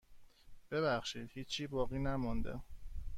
ببخشید هیچی باقی نمانده.